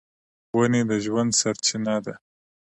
ونې د ژوند سرچینه ده.